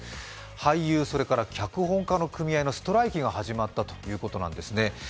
俳優、それから脚本家の組合のストライキが始まったということなんですね。